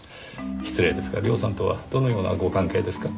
失礼ですが涼さんとはどのようなご関係ですか？